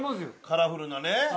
カラフルなね。